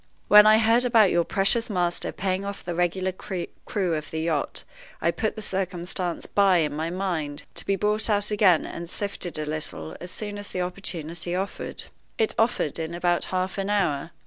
"When I heard about your precious master paying off the regular crew of the yacht I put the circumstance by in my mind, to be brought out again and sifted a little as soon as the opportunity offered. It offered in about half an hour.